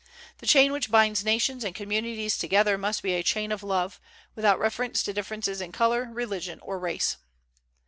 The chain which binds nations and communities together must be a chain of love, without reference to differences in color, religion, or race.